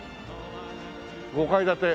５階建て。